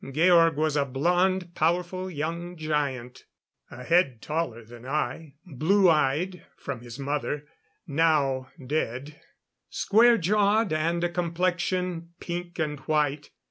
Georg was a blond, powerful young giant. A head taller than I blue eyed, from his mother, now dead square jawed, and a complexion pink and white.